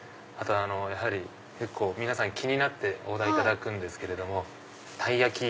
やはり結構皆さん気になってオーダー頂くんですけれどもたい焼き。